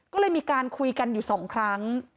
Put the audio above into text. ก็เลยมีการคุยกันอยู่๒ครั้ง